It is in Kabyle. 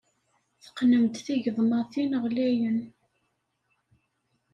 Teqqnem-d tigeḍmatin ɣlayen.